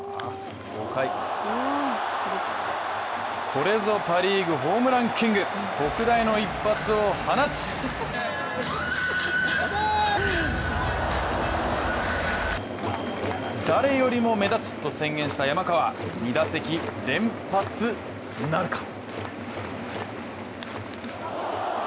これぞパ・リーグホームランキング特大の一発を放ち誰よりも目立つと宣言した山川２打席連発なるか。